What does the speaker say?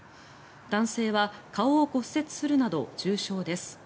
男性は顔を骨折するなど重傷です。